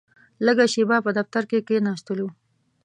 لږه شېبه په دفتر کې کښېناستلو.